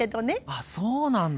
あそうなんだ。